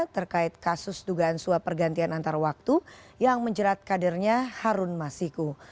terkait kasus dugaan suap pergantian antar waktu yang menjerat kadernya harun masiku